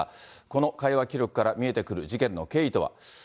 この会話記録から見えてくる事件の経緯とは。